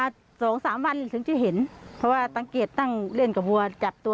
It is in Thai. ก็รู้สึกเสียใจนะคะ